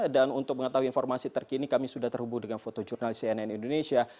dan untuk mengetahui informasi terkini kami sudah terhubung dengan foto jurnalis cnn indonesia